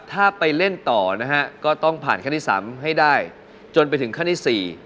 ถ้าไปเล่นต่อนะฮะก็ต้องผ่านขั้นที่๓ให้ได้จนไปถึงขั้นที่๔